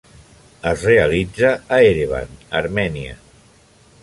Es realitza a Erevan, Armènia.